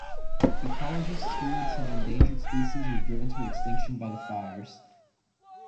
Ecologists feared some endangered species were driven to extinction by the fires.